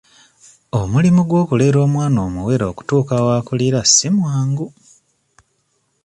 Omulimu gw'okulera omwana omuwere okutuuka w'akulira si mwangu.